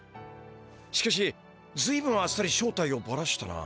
しかしずいぶんあっさり正体をバラしたな。